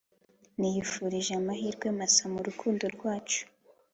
Niyifurije amahirwe masa mu rukundo rwacu